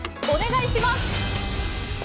お願いします。